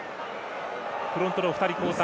フロントローの２人、交代。